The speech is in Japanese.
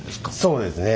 そうですね。